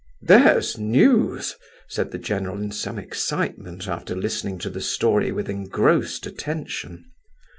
"There's news!" said the general in some excitement, after listening to the story with engrossed attention.